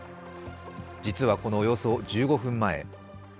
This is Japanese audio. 実はこのおよそ１５分前。